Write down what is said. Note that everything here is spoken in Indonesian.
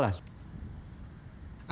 nah ini juga menarik